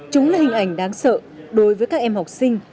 chúng là hình ảnh đáng sợ đối với các em học sinh